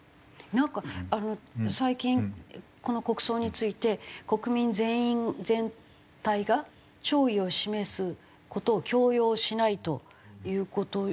なんか最近この国葬について国民全員全体が弔意を示す事を強要しないという事を。